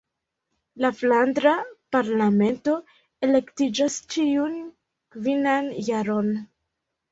La Flandra Parlamento elektiĝas ĉiun kvinan jaron.